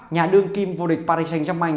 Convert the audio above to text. nhà đương kim vô địch paris saint germain